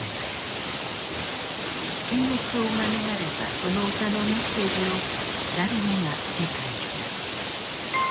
検閲を免れたその歌のメッセージを誰もが理解した。